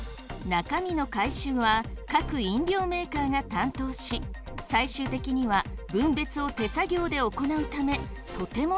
中身の回収は各飲料メーカーが担当し最終的には分別を手作業で行うためとても大変です。